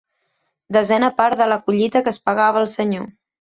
Desena part de la collita que es pagava al senyor.